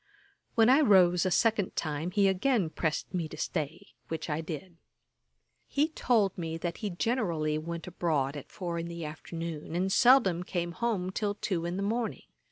When I rose a second time he again pressed me to stay, which I did. He told me, that he generally went abroad at four in the afternoon, and seldom came home till two in the morning.